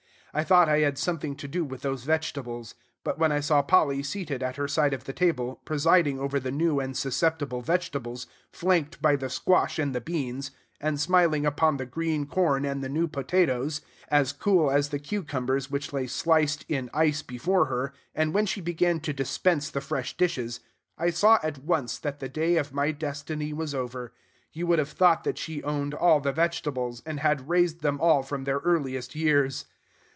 I thought I had something to do with those vegetables. But when I saw Polly seated at her side of the table, presiding over the new and susceptible vegetables, flanked by the squash and the beans, and smiling upon the green corn and the new potatoes, as cool as the cucumbers which lay sliced in ice before her, and when she began to dispense the fresh dishes, I saw at once that the day of my destiny was over. You would have thought that she owned all the vegetables, and had raised them all from their earliest years.